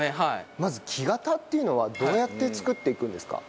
まず木型っていうのはどうやって作っていくんですか？